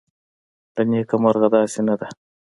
له نیکه مرغه داسې نه ده